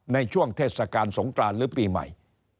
ในช่วงเทศกาลสงกรานหรือปีใหม่